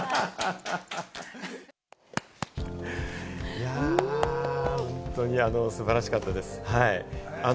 いや、本当に素晴らしかったです。